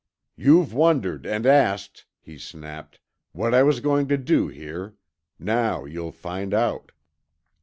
"You've wondered and asked," he snapped, "what I was going to do here. Now you'll find out."